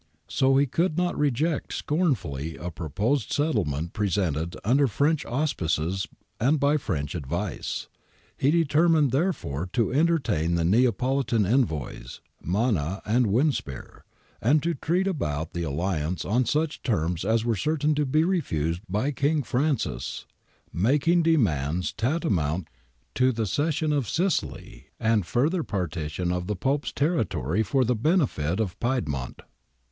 So he could not 'reject scornfully a proposed settlement presented under French auspices and by French advice.'^ He determined, therefore, to entertain the Neapolitan envoys, Manna and Winspeare, and to treat about the alliance on such terms as were certain to be refused by King Francis, making demands tantamount to the cession of Sicily and the further partition of the Pope's territory for the benefit of Piedmont.'